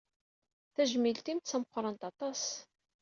Tajmilt-im ttameqqrant aṭas.